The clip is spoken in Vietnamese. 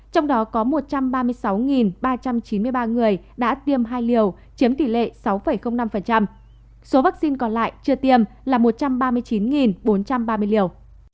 trong đó có một trăm ba mươi sáu ba trăm chín mươi ba người đã tiêm hai liều chiếm tỷ lệ sáu năm số vaccine còn lại chưa tiêm là một trăm ba mươi chín bốn trăm ba mươi liều